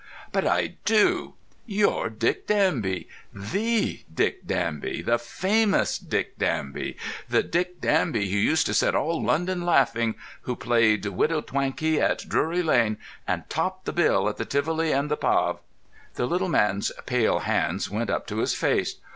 "But I do. You're Dick Danby—the Dick Danby. The famous Dick Danby. The Dick Danby who used to set all London laughing, who played Widow Twankey at Drury Lane, and topped the bill at the Tivoli and the Pav." The little man's thin pale hands went up to his face.